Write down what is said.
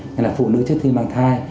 nên là phụ nữ trước khi mang thai